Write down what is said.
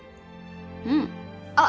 うんあっ